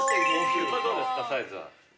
どうですかサイズは？